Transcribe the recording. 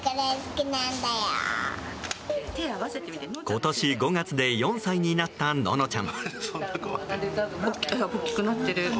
今年５月で４歳になったののちゃん。